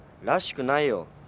らしくないよ。